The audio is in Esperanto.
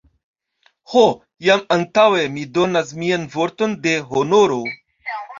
Ho, jam antaŭe mi donas mian vorton de honoro!